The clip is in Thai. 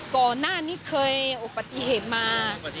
ก่อนหน้านี้เคยอุบัติเหตุมา